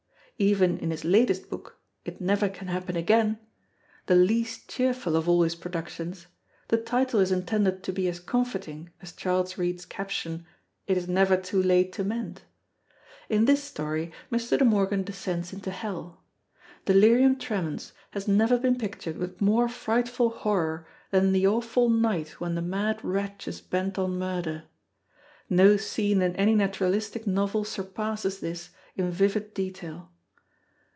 Even in his latest book, It Never Can Happen Again, the least cheerful of all his productions, the title is intended to be as comforting as Charles Reade's caption, It Is Never Too Late to Mend. In this story, Mr. De Morgan descends into hell. Delirium tremens has never been pictured with more frightful horror than in the awful night when the mad wretch is bent on murder. No scene in any naturalistic novel surpasses this in vivid detail.